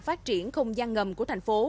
phát triển không gian ngầm của thành phố